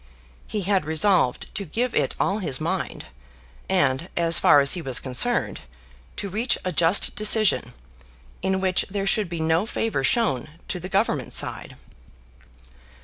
He had resolved to give it all his mind, and, as far as he was concerned, to reach a just decision, in which there should be no favour shown to the Government side.